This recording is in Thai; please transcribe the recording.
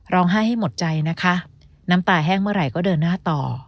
ให้หมดใจนะคะน้ำตาแห้งเมื่อไหร่ก็เดินหน้าต่อ